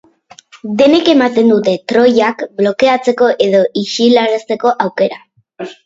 Denek ematen dute trollak blokeatzeko edo isilarazteko aukera.